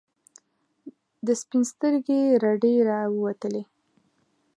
د سپین سترګي رډي راووتلې.